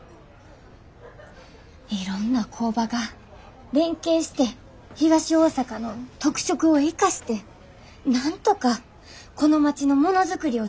いろんな工場が連携して東大阪の特色を生かしてなんとかこの町のものづくりを続けていけるようにしたいんです。